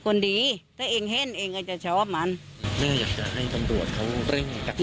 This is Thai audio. คนดีถ้าเองเห็นเองก็จะชอบมันแม่อยากจะให้ตำรวจเขาเร่งกะทิ